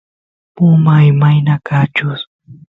puma imayna kanchus